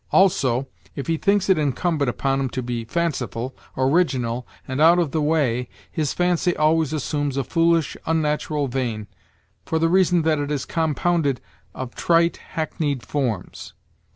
Also, if he thinks it incumbent upon him to be fanciful, original, and out of the way, his fancy always assumes a foolish, unnatural vein, for the reason that it is compounded of trite, hackneyed forms.